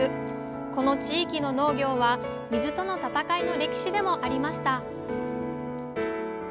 この地域の農業は水との闘いの歴史でもありました